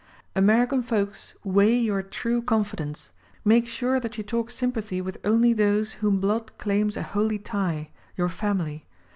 American folks, weigh your true confidence ; make sure that you talk sympathy with only those whom blood claims a holy tie — your family.